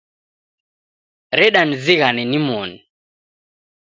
Reda nizighane nimoni